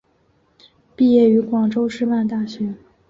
毕业于广州师范大学。